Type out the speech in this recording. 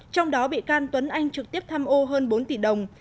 trong đó bị can tuấn anh trực tiếp tham ô hơn bốn tỷ đồng